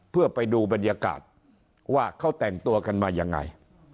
เพื่อไปดูบรรยากาศว่าเขาแต่งตัวกันมายังไง